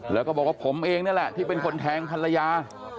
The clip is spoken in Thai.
แล้วก็บอกว่าผมเองนี่แหละที่เป็นคนแทงภรรยา